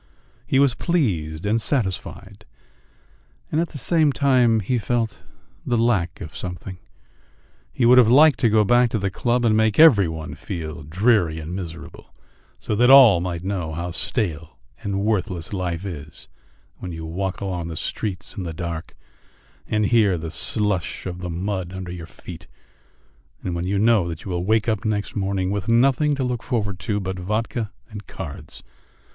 He was pleased and satisfied, and at the same time he felt the lack of something; he would have liked to go back to the club and make every one feel dreary and miserable, so that all might know how stale and worthless life is when you walk along the streets in the dark and hear the slush of the mud under your feet, and when you know that you will wake up next morning with nothing to look forward to but vodka and cards.